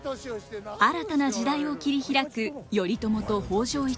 新たな時代を切り開く頼朝と北条一族。